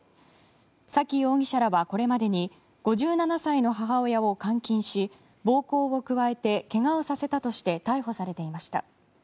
沙喜容疑者らはこれまでに５７歳の母親を監禁し暴行を加えてけがをさせたとして逮捕されていました。